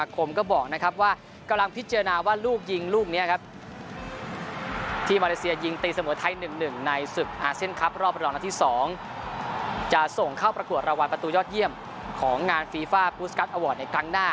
กำว่ากำลังพิจารณาว่าลูกยิงลุกที่มาเลเซียยิงตีสมรไทยหนึ่งหนึ่งนายสุริ